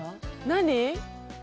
何？